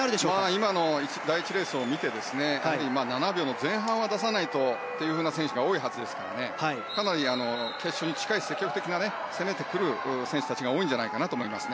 今の第１レースを見て７秒の前半は出さないとという選手が多いはずですからかなり積極的に攻めてくる選手たちが多いんじゃないかと思います。